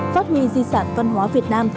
phát huy di sản văn hóa việt nam